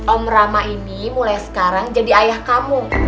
om rama ini mulai sekarang jadi ayah kamu